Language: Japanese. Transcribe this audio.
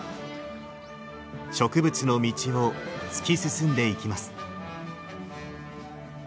植物の道を突き進んでいきます。